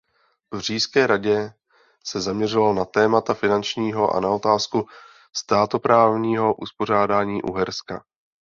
V Říšské radě se zaměřoval na témata finanční a na otázku státoprávního uspořádání Uherska.